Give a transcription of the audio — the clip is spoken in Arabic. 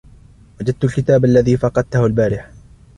وجدت الكتاب الذي فقدته البارحة.